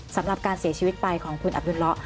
สำหรับการเสียชีวิตไปของคุณอับดุลละ